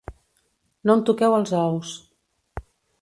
No em toqueu els ous.